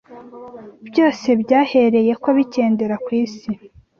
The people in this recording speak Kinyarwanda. byose byahereyeko bikendera ku isi.